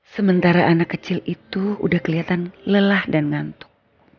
sementara anak kecil itu udah kelihatan lelah dan ngantuk